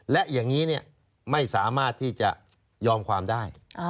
และอย่างนี้ไม่สามารถที่จะยอมความได้